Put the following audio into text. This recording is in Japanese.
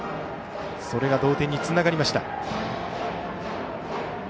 それが同点につながりました。